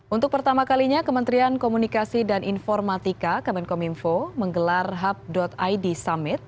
untuk pertama kalinya kementerian komunikasi dan informatika kemenkominfo menggelar hub id summit